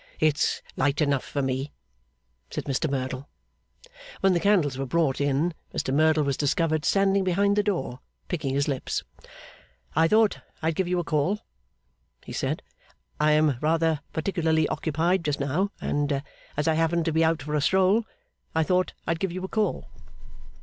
'It's light enough for me,' said Mr Merdle. When the candles were brought in, Mr Merdle was discovered standing behind the door, picking his lips. 'I thought I'd give you a call,' he said. 'I am rather particularly occupied just now; and, as I happened to be out for a stroll, I thought I'd give you a call.